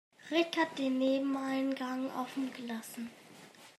Rick hat einen Nebeneingang offen gelassen.